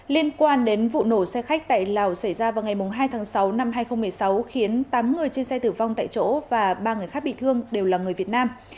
liên quan đến vụ nổ xe khách tại lào xảy ra vào ngày hai tháng sáu năm hai nghìn một mươi sáu khiến tám người trên xe tử vong tại chỗ và ba người khác bị thương đều là người việt nam